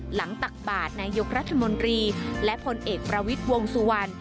ตักบาทนายกรัฐมนตรีและผลเอกประวิทย์วงสุวรรณ